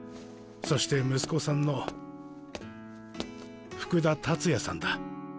そして息子さんの福田達也さんだ。